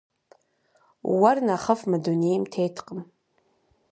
Уэр нэхъ нэхъыфӏ мы дунейм теткъым.